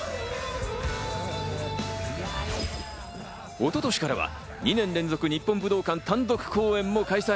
一昨年からは２年連続、日本武道館単独公演も開催。